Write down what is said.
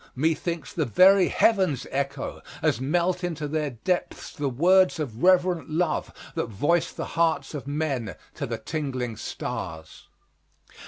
methinks the very heavens echo, as melt into their depths the words of reverent love that voice the hearts of men to the tingling stars.